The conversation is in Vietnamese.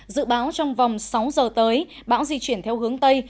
dự báo trong vòng sáu giờ tới bão di chuyển theo hướng tây